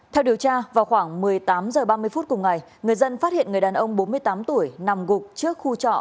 theo điều tra vào khoảng một mươi tám h ba mươi phút cùng ngày người dân phát hiện người đàn ông bốn mươi tám tuổi nằm gục trước khu trọ